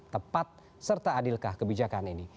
tepat serta adilkah kebijakan ini